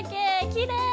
きれい。